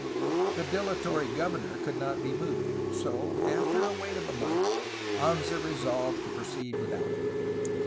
The dilatory governor could not be moved; so, after a wait of a month, Anza resolved to proceed without him.